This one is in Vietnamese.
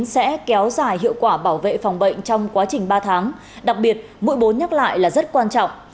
sẽ kéo dài hiệu quả bảo vệ phòng bệnh trong quá trình ba tháng đặc biệt mũi nhắc lại là rất quan trọng